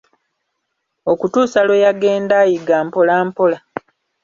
Okutuusa Iwe yagenda ayiga mpola mpola.